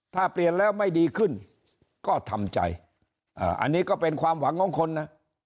ถ้าเปลี่ยนแล้วไม่ดีขึ้นก็ทำใจอันนี้ก็เป็นความหวังของคนนะ